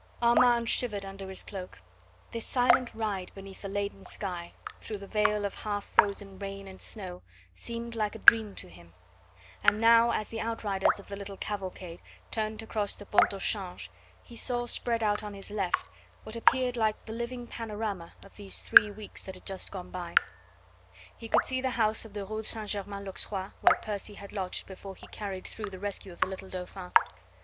Armand shivered under his cloak. This silent ride beneath the leaden sky, through the veil of half frozen rain and snow, seemed like a dream to him. And now, as the outriders of the little cavalcade turned to cross the Pont au Change, he saw spread out on his left what appeared like the living panorama of these three weeks that had just gone by. He could see the house of the Rue St. Germain l'Auxerrois where Percy had lodged before he carried through the rescue of the little Dauphin.